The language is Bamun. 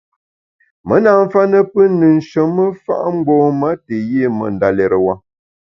Me na mfa ne pùn ne nsheme fa’ mgbom-a te yi me ndalérewa.